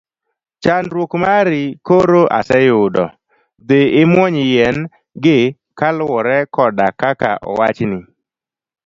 Chandruok mari koro aseyudo, dhi imuony yien gi kaluwore koda kaka owachni.